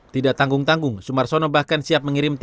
tidak tanggung tanggung sumar sono bahkan siap mengirim tim ke jakarta